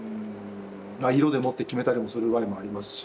まあ色でもって決めたりもする場合もありますし。